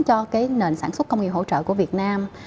cho cái nền sản xuất công nghiệp hỗ trợ của việt nam